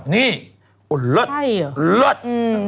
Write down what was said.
นี่โอ้เลิศเลิศ